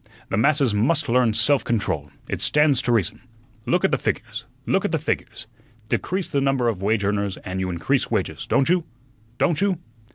"The masses must learn self control; it stands to reason. Look at the figures, look at the figures. Decrease the number of wage earners and you increase wages, don't you? don't you?"